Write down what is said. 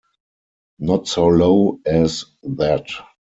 Not so low as that.